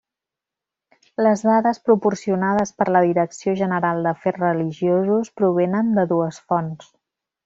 Les dades proporcionades per la Direcció General d'Afers Religiosos provenen de dues fonts.